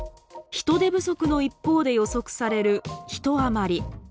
人手不足の一方で予測される人余り。